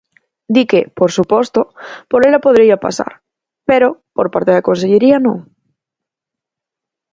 Di que, por suposto, por ela podería pasar, pero, por parte da Consellería, non.